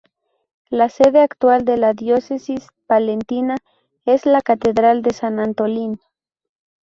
La sede actual de la diócesis palentina es la catedral de San Antolín.